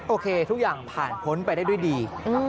โอเคทุกอย่างผ่านพ้นไปได้ด้วยดี